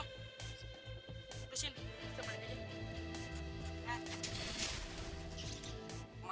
putusin kita balik aja